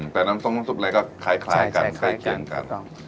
แต่น้ำส้มน้ำซุปอะไรก็คล้ายกันใกล้เคียงกัน